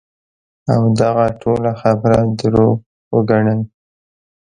او دغه ټوله خبره دروغ وګڼی -